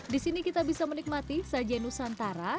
di sini kita bisa menikmati sajian nusantara